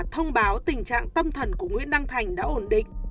thông báo tình trạng tâm thần của nguyễn đăng thành đã ổn định